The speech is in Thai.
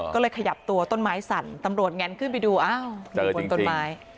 ก็เลยขยับตัวต้นไม้สั่นตำรวจแงนขึ้นไปดูอ้าวอยู่บนต้นไม้